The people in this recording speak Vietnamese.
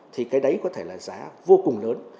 thì cái đấy có thể là giá vô cùng lớn